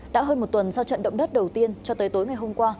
đã hơn một tuần sau trận động đất đầu tiên cho tới tối ngày hôm qua